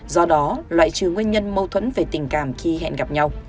do đó loại trừ nguyên nhân mâu thuẫn về tình cảm thi hẹn gặp nhau